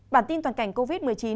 bản tin toàn cảnh covid một mươi chín